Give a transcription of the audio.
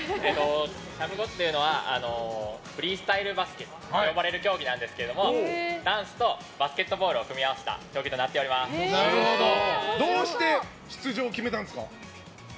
ＳＨＡＭＧＯＤっというのはフリースタイルバスケと呼ばれる競技なんですけどダンスとバスケットボールを組み合わせたどうして出場を決めたんですか？